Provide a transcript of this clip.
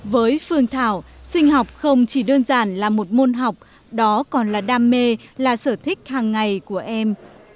với phương thảo sinh học không chỉ đơn giản là một môn học đó còn là đam mê là sở thích hàng ngày của em